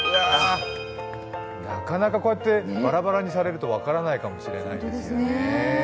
なかなかこうやってバラバラにされると分からないかもしれないですね。